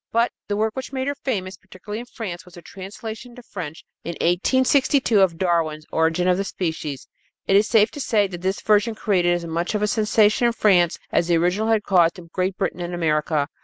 But the work which made her famous, particularly in France, was her translation into French in 1862 of Darwin's Origin of Species. It is safe to say that this version created as much of a sensation in France as the original had caused in Great Britain and America.